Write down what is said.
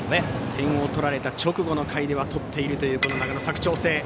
点を取られた直後の回で点を取っているという長野・佐久長聖。